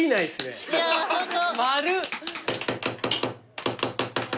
いやホント。